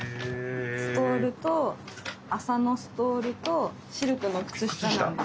ストールと麻のストールとシルクの靴下なんです。